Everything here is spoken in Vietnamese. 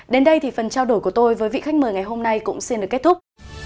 đến đây thì phần trao đổi của tôi với vị khách mời ngày hôm nay cũng xin được kết thúc